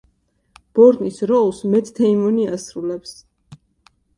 ბორნის როლს მეთ დეიმონი ასრულებს.